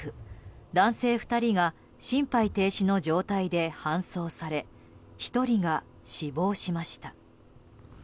男性２人が心配停止の状態で搬送され１人が死亡しました。